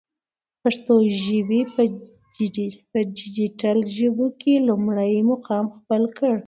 پښتو ژبی په ډيجيټل ژبو کی لمړی مقام خپل کړ.